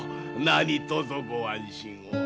何とぞご安心を。